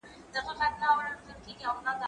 زه باید اوبه وڅښم!.